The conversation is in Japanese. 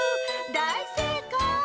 だいせいかい！